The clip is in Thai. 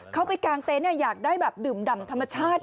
เขาไปกางเต็นต์อยากได้แบบดื่มดำธรรมชาติ